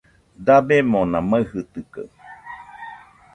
Dabemona maɨjitɨkaɨ